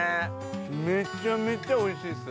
めちゃめちゃおいしいっす。